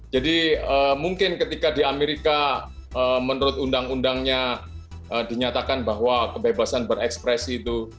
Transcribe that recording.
jadi mungkin ketika di amerika menurut undang undangnya dinyatakan bahwa kebebasan berekspresi itu